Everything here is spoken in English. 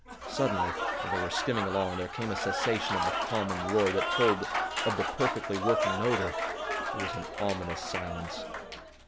Suddenly, as they were skimming along, there came a cessation of the hum and roar that told of the perfectly working motor. It was an ominous silence.